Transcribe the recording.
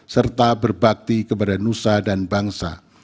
serta berbakti kepada nusa dan bangsa